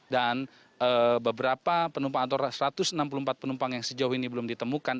dan beberapa penumpang atau satu ratus enam puluh empat penumpang yang sejauh ini belum ditemukan